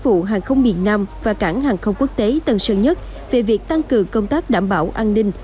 để cảng vụ hàng không miền nam và cảng hàng không quốc tế tân sơ nhất về việc tăng cường công tác đảm bảo an ninh